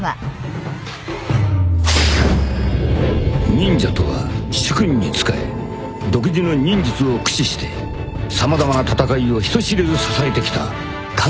［忍者とは主君に仕え独自の忍術を駆使して様々な戦いを人知れず支えてきた影の軍団である］